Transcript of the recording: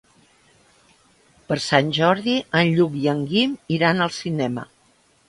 Per Sant Jordi en Lluc i en Guim iran al cinema.